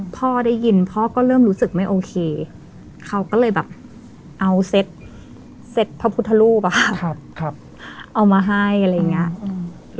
พอได้ยินพ่อก็เริ่มรู้สึกไม่โอเคเขาก็เลยแบบเอาเซ็ตเภาพุทธรูปะเอามาให้อะไรอย่างเงี้ย